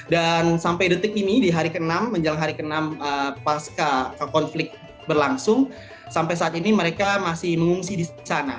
dan sampai detik ini di hari ke enam menjelang hari ke enam pas ke konflik berlangsung sampai saat ini mereka masih mengungsi di sana